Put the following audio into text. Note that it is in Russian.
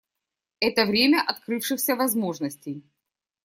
Это время открывшихся возможностей.